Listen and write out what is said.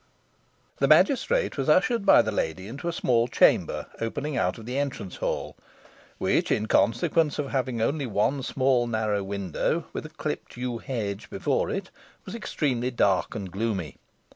The magistrate was ushered by the lady into a small chamber, opening out of the entrance hall, which, in consequence of having only one small narrow window, with a clipped yew tree before it, was extremely dark and gloomy.